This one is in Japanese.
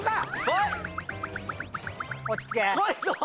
落ち着け。